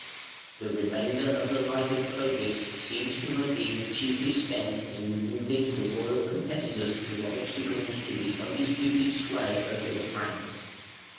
] The remainder of the life of Clovis seems to have been chiefly spent in removing the royal competitors who were obstacles to his undisputed sway over the Franks.